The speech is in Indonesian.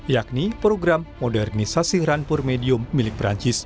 yakni program modernisasi rampur medium milik perancis